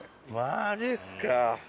マジっすか！